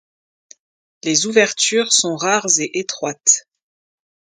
Les ouvertures sont rares et étroites.